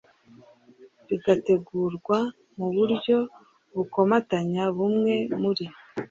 rigategurwa mu buryo bukomatanya bumwe muri